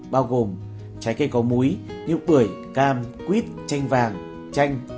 bao gồm trái cây có múi như bưởi cam quýt chanh vàng chanh